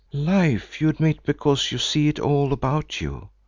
Life you admit because you see it all about you.